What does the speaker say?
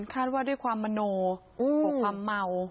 คาดว่าด้วยความมโนของความเมา